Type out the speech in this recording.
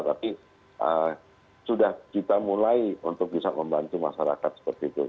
tapi sudah kita mulai untuk bisa membantu masyarakat seperti itu